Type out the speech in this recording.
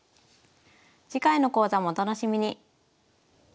次回の講座もお楽しみに。